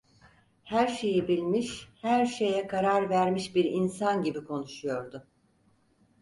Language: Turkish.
Her şeyi bilmiş, her şeye karar vermiş bir insan gibi konuşuyordu.